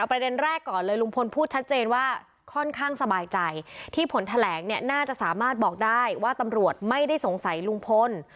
ประเด็นแรกก่อนเลยลุงพลพูดชัดเจนว่าค่อนข้างสบายใจที่ผลแถลงเนี่ยน่าจะสามารถบอกได้ว่าตำรวจไม่ได้สงสัยลุงพล